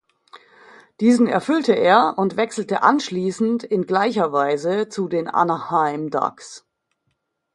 Diesen erfüllte er und wechselte anschließend in gleicher Weise zu den Anaheim Ducks.